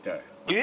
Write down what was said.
え！